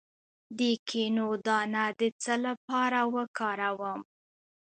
د کینو دانه د څه لپاره وکاروم؟